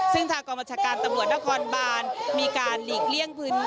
ซึ่งทางกรรมชาการตำรวจนครบานมีการหลีกเลี่ยงพื้นที่